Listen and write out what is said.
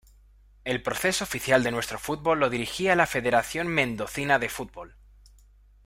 El proceso oficial de nuestro fútbol lo dirigía la "Federación Mendocina de Fútbol".